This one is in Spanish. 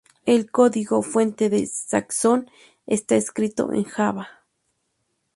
El código fuente de Saxon está escrito en Java.